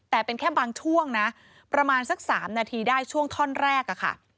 แต่เป็นแค่บางช่วงนะประมาณสัก๓นาทีได้ช่วงท่อนแรกอะค่ะ